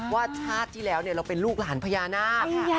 ว่าชาติที่แล้วเราเป็นลูกหลานพญานาค